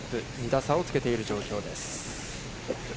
２打差をつけている状況です。